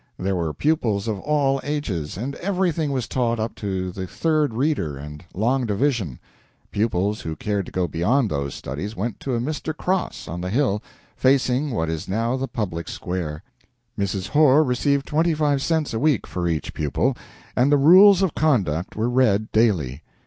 There were pupils of all ages, and everything was taught up to the third reader and long division. Pupils who cared to go beyond those studies went to a Mr. Cross, on the hill, facing what is now the public square. Mrs. Horr received twenty five cents a week for each pupil, and the rules of conduct were read daily.